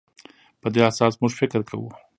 په دې اساس موږ فکر کوو.